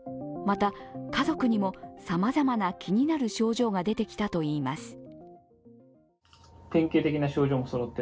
また、家族にもさまざまな気になる症状が出てきたといいます。